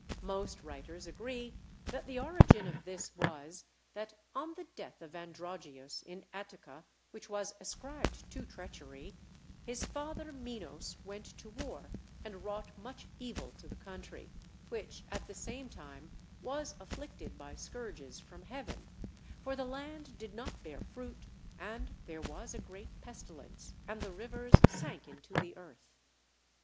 Most writers agree that the origin of this was, that on the death of Androgeus, in Attica, which was ascribed to treachery, his father Minos went to war, and wrought much evil to the country, which at the same time was afflicted by scourges from heaven (for the land did not bear fruit, and there was a great pestilence, and the rivers sank into the earth).